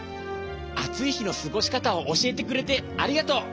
あついひのすごしかたをおしえてくれてありがとう。